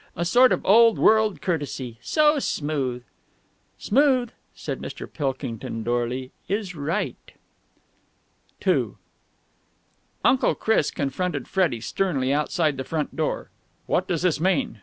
A sort of old world courtesy. So smooth!" "Smooth," said Mr. Pilkington dourly, "is right!" II Uncle Chris confronted Freddie sternly outside the front door. "What does this mean?